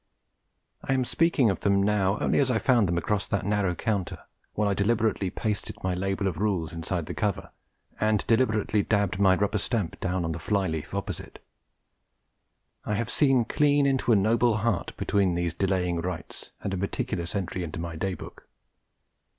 I am speaking of them now only as I found them across that narrow counter, while I deliberately pasted my label of rules inside the cover, and deliberately dabbed my rubber stamp down on the fly leaf opposite. I have seen clean into a noble heart between these delaying rites and a meticulous entry in my day book.